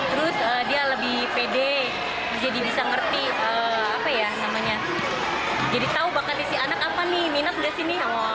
terus dia lebih pede jadi bisa ngerti apa ya namanya jadi tahu bakatnya si anak apa nih minat nggak sih nih